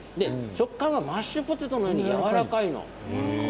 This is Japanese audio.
食感がマッシュポテトのようにやわらかい。